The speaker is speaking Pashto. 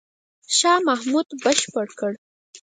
شاه محمود بشپړ کړ.